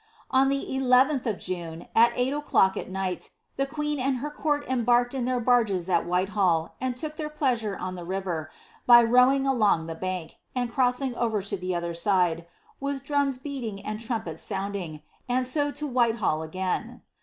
On the I lib of June, at eight o'clock at night, the queen and ber court embarked in theii ha^es al Whitehall, and took their pleasure on (ha river, by rowing along the bank, and crossing over to the other side, with drnms beating and trumpets sounding, and so to Whitehall again.